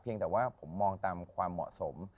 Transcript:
แต่ว่าผมมองตามความเหมาะสม